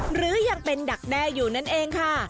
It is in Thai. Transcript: หรือยังเป็นดักแด้อยู่นั่นเองค่ะ